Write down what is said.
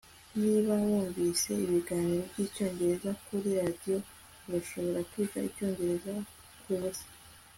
Niba wunvise ibiganiro byicyongereza kuri radio urashobora kwiga icyongereza kubusa